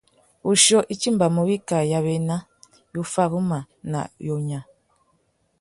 Wuchiô i timbamú wikā ya wena, wuffaruma na wunya.